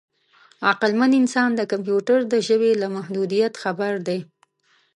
عقلمن انسان د کمپیوټر د ژبې له محدودیت خبر دی.